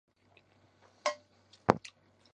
杂色耀鲇的图片